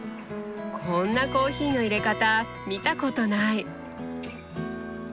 こんなコーヒーのいれ方見たことない！